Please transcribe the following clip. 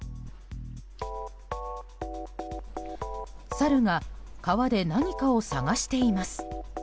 サルが川で何かを探しています。